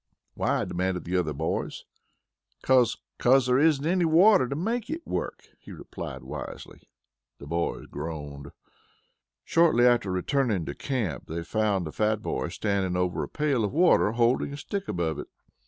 "Why?" demanded the other boys. "'Cause 'cause there isn't any water to make it work," he replied wisely. The boys groaned. Shortly after returning to camp, they found the fat boy standing over a pail of water holding the stick above it.